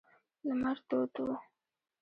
لمر تود و.